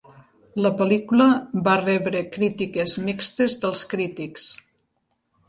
La pel·lícula va rebre crítiques mixtes dels crítics.